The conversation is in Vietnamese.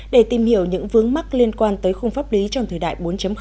để tìm hiểu những vướng mắc liên quan tới khung pháp lý trong thời đại bốn